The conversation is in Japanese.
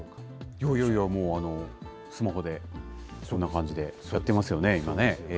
いやいや、もうスマホで、そんな感じでやってますよね、今ね。